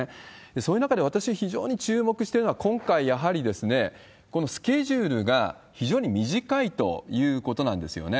そういう中で私が非常に注目してるのが、今回、やはり、このスケジュールが非常に短いということなんですよね。